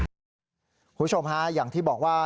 คุณผู้ชมฮะอย่างที่บอกว่า